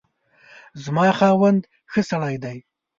زما خاوند ښه سړی دی